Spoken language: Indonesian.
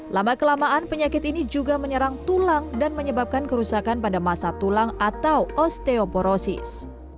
lama kelamaan penyakit ini juga menyerang tulang dan menyebabkan kerusakan pada masa tulang atau osteoporosis